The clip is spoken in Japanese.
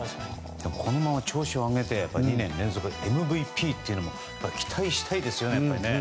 このまま調子を上げて２年連続ＭＶＰってのも期待したいですよね。